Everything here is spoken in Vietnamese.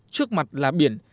trước mặt là biển